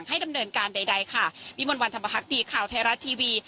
ดำเนินการใดค่ะวิมวลวันธรรมพักดีข่าวไทยรัฐทีวี